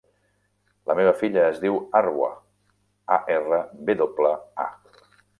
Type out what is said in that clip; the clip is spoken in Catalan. La meva filla es diu Arwa: a, erra, ve doble, a.